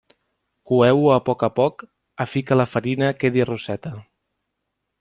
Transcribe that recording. Coeu-ho a poc a poc, a fi que la farina quedi rosseta.